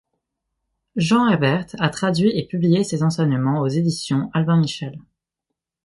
Jean Herbert a traduit et publié ses enseignements aux éditions Albin Michel.